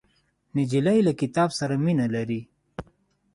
نجلۍ له کتاب سره مینه لري.